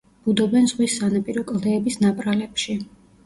ბუდობენ ზღვის სანაპირო კლდეების ნაპრალებში.